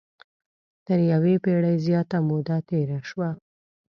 تر یوې پېړۍ زیاته موده تېره شوه.